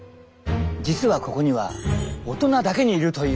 実はここには大人だけにいるという。